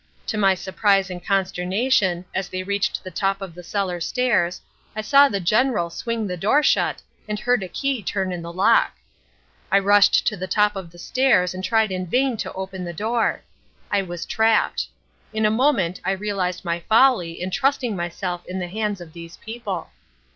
To my surprise and consternation, as they reached the top of the cellar stairs, I saw the General swing the door shut and heard a key turn in the lock. I rushed to the top of the stairs and tried in vain to open the door. I was trapped. In a moment I realized my folly in trusting myself in the hands of these people.